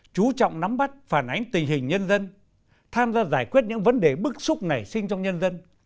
chú trọng nắm bắt phản ánh tình hình nhân dân tham gia giải quyết những vấn đề bức xúc nảy sinh trong nhân dân